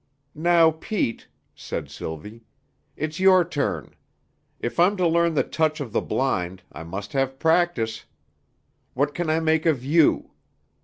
"Now, Pete," said Sylvie, "it's your turn. If I'm to learn the touch of the blind, I must have practice. What can I make of you!